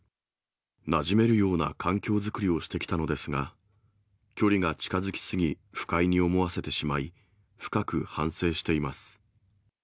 なじめるような環境作りをしてきたのですが、距離が近づきすぎ、不快に思わせてしまい、深く反省しています。